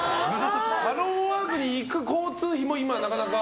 ハローワークに行く交通費も今、なかなか。